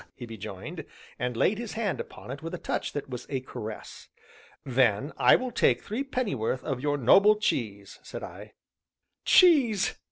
he rejoined, and laid his hand upon it with a touch that was a caress. "Then I will take three pennyworth of your noble cheese," said I. "Cheese!"